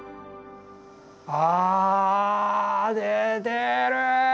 あ出てる。